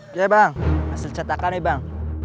oke bang hasil cetakan nih bang